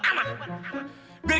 biar kita tuh bisa berhenti